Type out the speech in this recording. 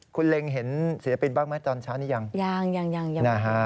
คุณเล็งเห็นศิลปินบ้างไหมตอนเช้านี้ยังยังอย่างนั้นอย่างนั้น